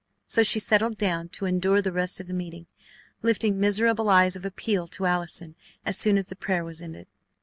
So she settled down to endure the rest of the meeting, lifting miserable eyes of appeal to Allison as soon as the prayer was ended.